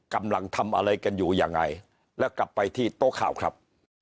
กำลังทำอะไรกันอยู่ยังไงแล้วกลับไปที่โต๊ะข่าวครับ